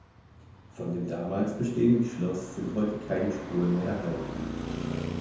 Von dem damals bestehenden Schloss sind heute keine Spuren mehr erhalten.